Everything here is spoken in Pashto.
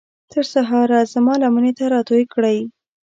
تر سهاره زما لمنې ته راتوی کړئ